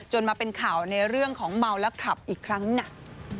มาเป็นข่าวในเรื่องของเมาแล้วขับอีกครั้งหนัก